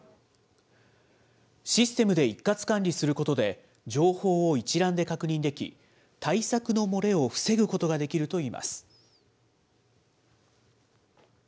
システムで一括管理することで、情報を一覧で確認でき、対策の漏れを防ぐことができるといいます。